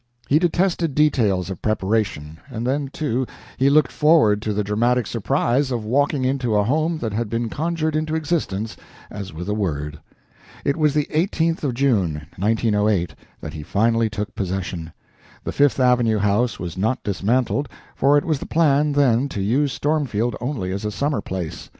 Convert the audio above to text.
He detested details of preparation, and then, too, he looked forward to the dramatic surprise of walking into a home that had been conjured into existence as with a word. It was the 18th of June, 1908, that he finally took possession. The Fifth Avenue house was not dismantled, for it was the plan then to use Stormfield only as a summer place.